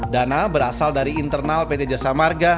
dana berasal dari internal pt jasa marga